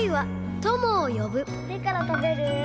どれからたべる？